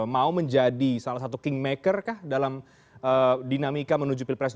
mau menjadi salah satu kingmaker kah dalam dinamika menuju pilpres dua ribu dua puluh empat ini